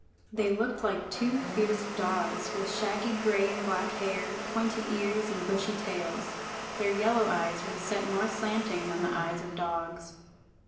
They looked like two fierce dogs, with shaggy gray and black hair, pointed ears, and bushy tails. Their yellow eyes were set more slanting than the eyes of dogs.